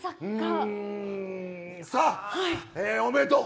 さあ、おめでとう。